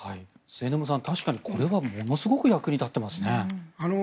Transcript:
末延さん、確かにこれはものすごく役に立ってますね。